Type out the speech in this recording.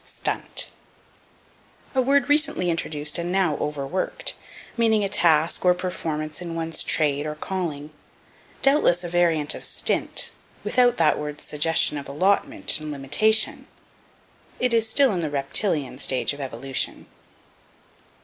Stunt. A word recently introduced and now overworked, meaning a task, or performance in one's trade, or calling, doubtless a variant of stint, without that word's suggestion of allotment and limitation. It is still in the reptilian stage of evolution.